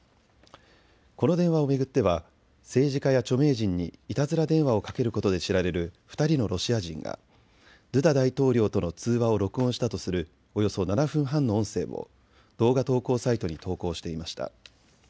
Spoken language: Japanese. この電話を巡っては政治家や著名人にいたずら電話をかけることで知られる２人のロシア人がドゥダ大統領との通話を録音したとするおよそ７分半の音声を動画投稿サイトに投稿していました。